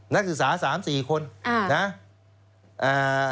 นักศึกษา๓๔คนนะ